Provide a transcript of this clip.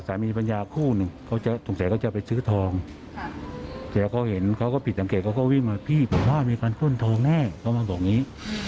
บรรยาคู่หนึ่งเขาจะสงสัยเขาจะไปซื้อทองแต่เขาเห็นเขาก็ผิดสังเกตเขาก็วิ่งมาพี่ผมว่ามีการค้นทองแน่เขามาบอกอย่างนี้